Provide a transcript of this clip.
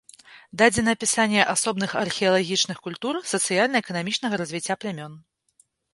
Дадзена апісанне асобных археалагічных культур, сацыяльна-эканамічнага развіцця плямён.